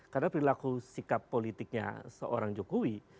karena perilaku sikap politiknya seorang jokowi